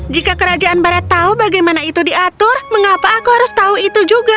jika kerajaan barat tahu bagaimana itu diatur mengapa aku harus tahu itu juga